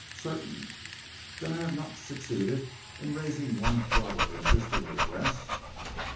"Certain." "Then I have not succeeded in raising one throb of interest in your breast?"